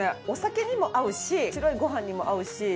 お酒にも合うし白いご飯にも合うし。